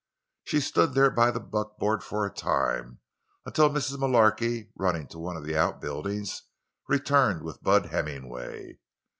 She stood there by the buckboard for a time—until Mrs. Mullarky, running to one of the outbuildings, returned with Bud Hemmingway.